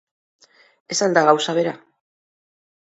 Ez al da gauza bera?